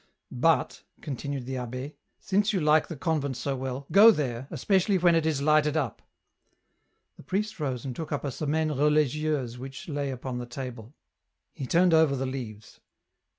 " But," continued the abb^, " since you like the convent so well, go there, especially when it is lighted up." The priest rose and took up a " Semaine religieuse," which lay upon the table. He turned over the leaves.